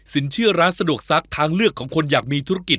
เชื่อร้านสะดวกซักทางเลือกของคนอยากมีธุรกิจ